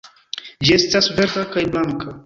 Ĝi estas verda kaj blanka.